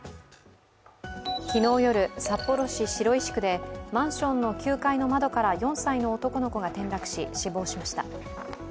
昨日夜、札幌市白石区で、マンションの９階の窓から４歳の男の子が転落し、死亡しました。